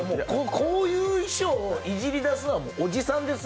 こういう衣装をいじり出すのはおじさんですよ？